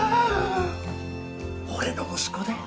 俺の息子だよ。